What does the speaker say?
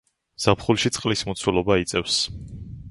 ზაფხულში წყლის მოცულობა იწევს.